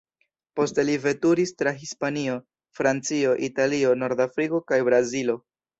Poste li veturis tra Hispanio, Francio, Italio, Nordafriko kaj Brazilo.